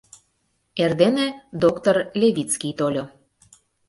Эрдене доктор Левицкий тольо.